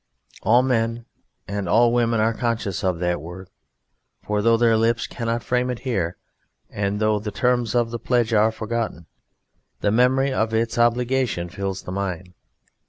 All men and all women are conscious of that word, for though their lips cannot frame it here, and though the terms of the pledge are forgotten, the memory of its obligation fills the mind.